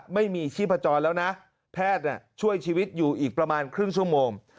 ไม่มีชีพจรแล้วนะแพทย์ช่วยชีวิตอยู่อีกประมาณครึ่งชั่วโมง